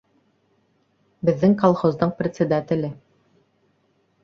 Беззең колхоздың председателе...